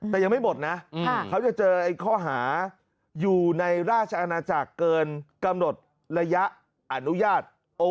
แต่ยังไม่หมดนะเขาจะเจอข้อหาอยู่ในราชอาณาจักรเกินกำหนดระยะอนุญาต